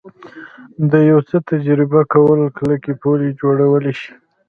د یو څه تجربه کول کلکې پولې جوړولی شي